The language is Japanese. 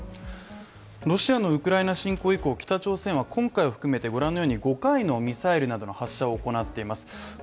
ロシアのウクライナ侵攻以降、北朝鮮は今回を含めて５回のミサイルなどの発射を行っています。